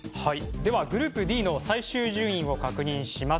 ではグループＤの最終順位を確認します。